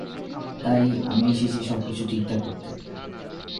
তাই, আমি এসেছি সব ঠিকঠাক করতে।